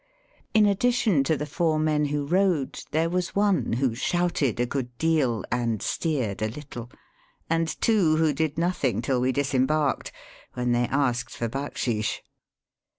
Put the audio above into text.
In addition to the four men who rowed there was one who shouted a good deal and steered a httle, and two who did nothing till we disembarked, when they asked for backsheesh.